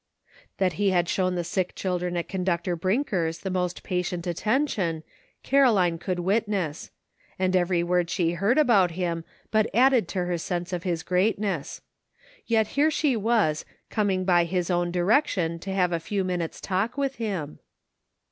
That he had shown the sick children at Con ductor Brinker's the most patient attention, Caroline could witness; and every word she heard about him but added to her sense of his greatness; yet here she was, coming by his own direction to have a few minutes' talk with him